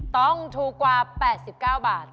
ต้องถูกกว่า๘๙บาท